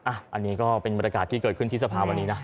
อันนี้ก็เป็นบรรยากาศที่เกิดขึ้นที่สภาวันนี้นะ